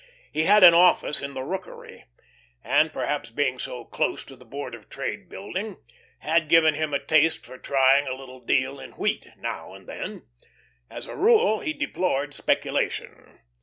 He had an office in the Rookery, and perhaps being so close to the Board of Trade Building, had given him a taste for trying a little deal in wheat now and then. As a rule, he deplored speculation.